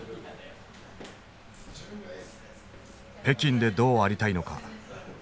北京でどうありたいのか。